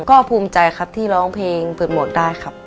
ก็ภูมิใจครับที่ร้องเพลงเปิดโหมดได้ครับ